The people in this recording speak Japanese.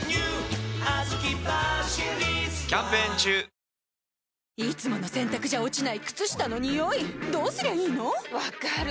ニトリいつもの洗たくじゃ落ちない靴下のニオイどうすりゃいいの⁉分かる。